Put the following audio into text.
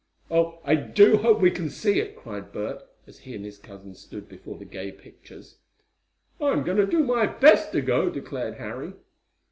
"Oh, I do hope we can see it!" cried Bert, as he and his cousin stood before the gay pictures. "I'm going to do my best to go!" declared Harry.